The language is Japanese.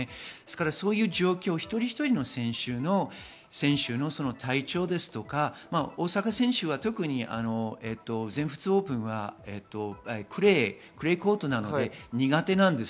そういう状況を一人一人の選手の体調とか大坂選手は特に全仏オープンはクレーコートなので苦手なんです。